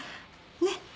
ねっ？